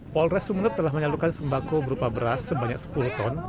polres sumeneb telah menyalurkan sembako berupa beras sebanyak sepuluh ton